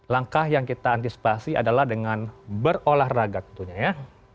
langkah yang kita antisipasi adalah dengan berolahraga tentunya ya